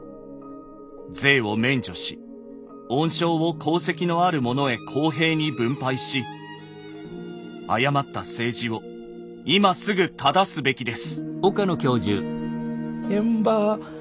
税を免除し恩賞を功績のある者へ公平に分配し誤った政治を今すぐ正すべきです」。